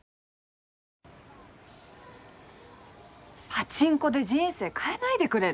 パチンコで人生変えないでくれる？